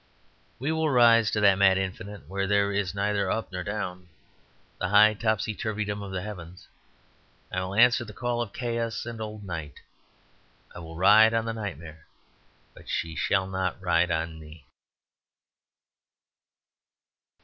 We will rise to that mad infinite where there is neither up nor down, the high topsy turveydom of the heavens. I will answer the call of chaos and old night. I will ride on the Nightmare; but she shall not ride on me.